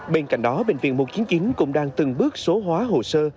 bên cạnh đó bệnh viện một trăm chín mươi chín cũng đang từng bước số hóa hồ sơ